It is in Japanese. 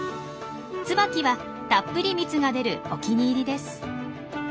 ツバキはたっぷり蜜が出るお気に入りです。